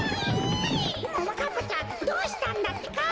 ももかっぱちゃんどうしたんだってか？